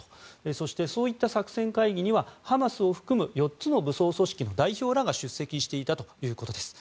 そしてそういった作戦会議にはハマスを含む４つの武装組織の代表らが出席していたということです。